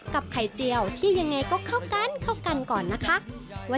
ไข่เจียวที่ยังไงก็เข้ากันเข้ากันก่อนนะคะ